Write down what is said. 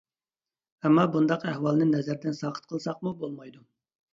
ئەمما بۇنداق ئەھۋالنى نەزەردىن ساقىت قىلساقمۇ بولمايدۇ.